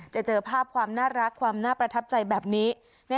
เจอภาพความน่ารักความน่าประทับใจแบบนี้